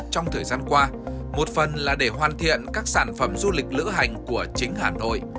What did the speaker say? trong thời gian qua một phần là để hoàn thiện các sản phẩm du lịch lữ hành của chính hà nội